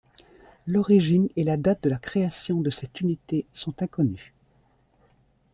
L'origine et la date de la création de cette unité sont inconnues.